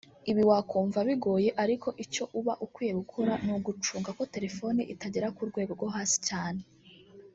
Ibi wakumva bigoye ariko icyo uba ukwiye gukora ni ugucunga ko telephone itagera ku rwego rwo hasi cyane